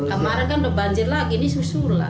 kemarin kan udah banjir lagi ini susu lah